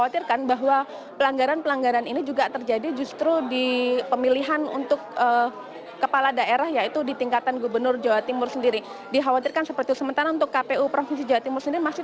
terima kasih terima kasih